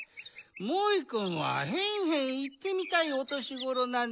モイくんは「へんへん」いってみたいおとしごろなんでごじゃるな。